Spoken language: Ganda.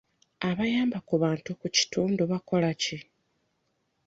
Abayamba Ku Bantu mu kitundu bakola ki?